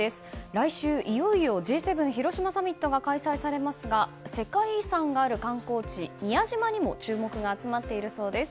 来週いよいよＧ７広島サミットが開催されますが世界遺産がある観光地、宮島にも注目が集まっているそうです。